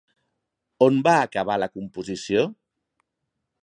On va acabar la composició?